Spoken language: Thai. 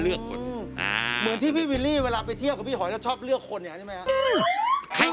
เหมือนที่พี่วิลลี่เวลาไปเที่ยวกับพี่หอยแล้วชอบเลือกคนอย่างนั้นใช่ไหมครับ